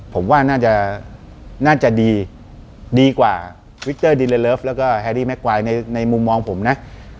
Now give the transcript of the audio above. ผมว่าน่าจะน่าจะดีดีกว่าวิกเจอร์ดีเลเลิฟแล้วก็แฮรี่แม่กวายในมุมมองผมนะ